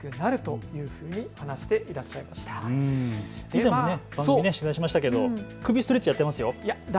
以前、番組で取材しましたけど、首ストレッチ、やってますよ。